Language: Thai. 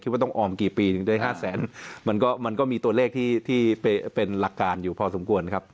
ว่าต้องออมกี่ปีถึงได้๕แสนมันก็มันก็มีตัวเลขที่เป็นหลักการอยู่พอสมควรครับ